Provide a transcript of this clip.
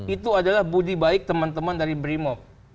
itu adalah budi baik teman teman dari brimob